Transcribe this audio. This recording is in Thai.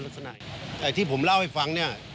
เถ็บยังมันเดินท้องที่ผมเล่าให้ฟังเนี่ย